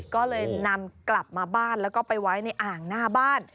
ก็เลยนำกลับมาบ้านแล้วก็ไปไว้ในอ่างหน้าบ้าน